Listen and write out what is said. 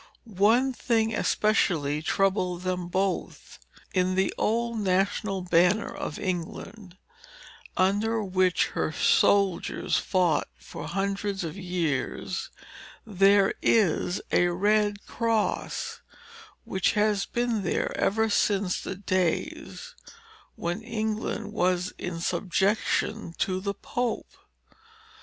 One thing especially troubled them both. In the old national banner of England, under which her soldiers have fought for hundreds of years, there is a Red Cross, which has been there ever since the days when England was in subjection to the Pope.